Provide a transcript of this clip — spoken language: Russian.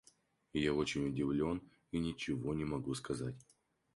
Я очень удивлен и ничего не могу сказать.